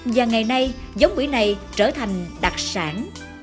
và ngày nay giống bưởi này trở thành đặc sản